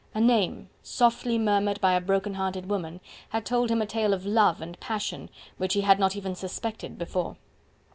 A name, softly murmured by a broken hearted woman, had told him a tale of love and passion, which he had not even suspected before.